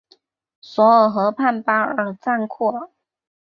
索尔河畔巴尔赞库尔。